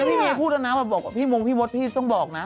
พี่พี่พูดแล้วนะพี่มุ้งพี่มศพี่ต้องบอกนะ